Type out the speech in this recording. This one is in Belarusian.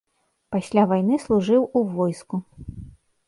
Пасля вайны служыў у войску.